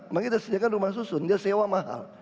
maka kita sediakan rumah susun dia sewa mahal